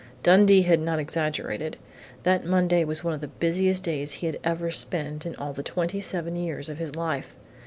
Dundee had not exaggerated. That Monday was one of the busiest days he had ever spent in all the twenty seven years of his life.